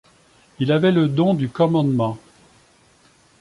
Il avait le don du commandement.